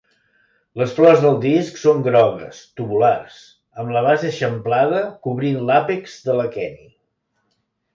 Les flors del disc són grogues, tubulars, amb la base eixamplada cobrint l'àpex de l'aqueni.